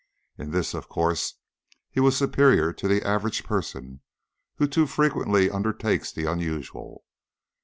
In this, of course, he was superior to the average person, who too frequently undertakes the unusual.